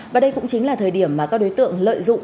và đây cũng chính là thời điểm mà các đối tượng lợi dụng